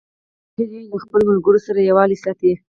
هیلۍ له خپلو ملګرو سره یووالی ساتي